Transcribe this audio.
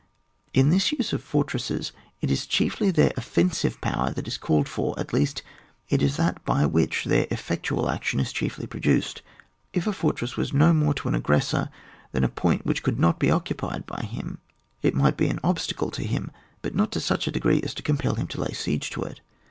In this use of fortresses it is chiefly their offensive power that is called for, at least it is that by which their effec tual action is chiefly produced. If a fortress was no more to an aggressor than a point which could not be occupied by him, it might be an obstacle to him, but not to such a degree as to compel him to lay siege to it.